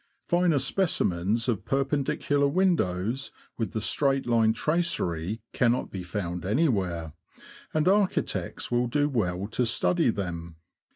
Finer speci mens of Perpendicular windows, with the straight line tracery, cannot be found anywhere, and archi tects will do well to study them.